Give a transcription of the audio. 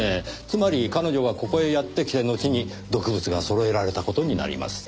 つまり彼女がここへやって来てのちに毒物が揃えられた事になります。